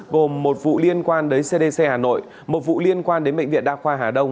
gồm một vụ liên quan đến cdc hà nội một vụ liên quan đến bệnh viện đa khoa hà đông